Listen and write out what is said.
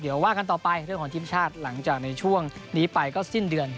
เดี๋ยวว่ากันต่อไปเรื่องของทีมชาติหลังจากในช่วงนี้ไปก็สิ้นเดือน